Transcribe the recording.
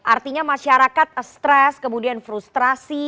artinya masyarakat stress kemudian frustrasi